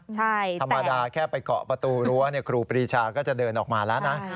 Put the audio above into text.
ธรรมดาแค่ไปเกาะประตูรั้วครูปรีชาก็จะเดินออกมาแล้วนะ